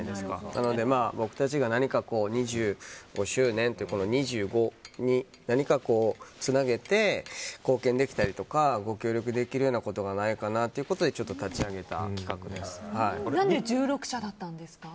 なので、僕たちが何か２５周年の２５に何か、つなげて貢献できたりとかご協力できることがないかなということで何で１６社なんですか。